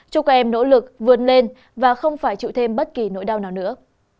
chúc các em nỗ lực vươn lên và không phải chịu thêm bất kỳ nỗi đau nào nữa